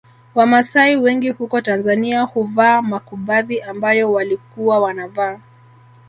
Wamasai wengi huko Tanzania huvaa makubadhi ambayo walikuwa wanavaa